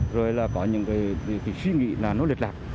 rồi là có những suy nghĩ là nó lịch lạc